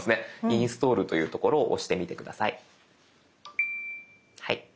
インストールというところを押してみて下さい。